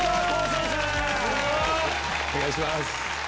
お願いします。